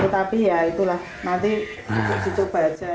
tapi ya itulah nanti kita coba saja